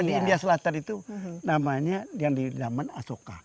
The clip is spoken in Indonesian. di india selatan itu namanya yang di zaman asoka